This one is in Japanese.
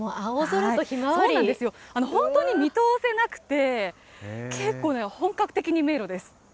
本当に見通せなくて、結構ね、本格的に迷路です。